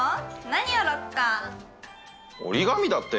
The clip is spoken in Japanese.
何折ろっか？